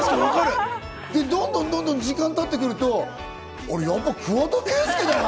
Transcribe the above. どんどん時間が経ってくると、あれ、やっぱ桑田佳祐だよな？